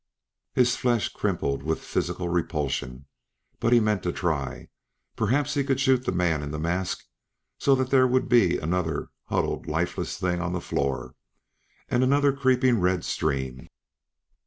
His flesh crimpled with physical repulsion, but he meant to try; perhaps he could shoot the man in the mask, so that there would be another huddled, lifeless Thing on the floor, and another creeping red stream.